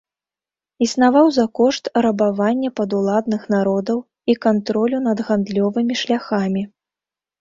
Існаваў за кошт рабавання падуладных народаў і кантролю над гандлёвымі шляхамі.